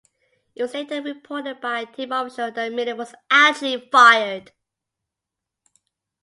It was later reported by a team official that Millen was actually fired.